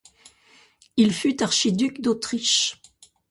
Il fut archiduc d'Autriche.